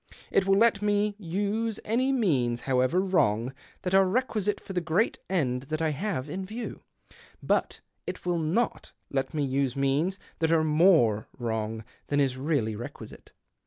It will let me use any means, however vrong, that are requisite for the great end :hat I have in view ; but it will not let me ise means that are more wrongr than is reallv 'equisite.